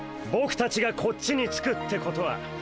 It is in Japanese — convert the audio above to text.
ボクたちがこっちにつくってことは。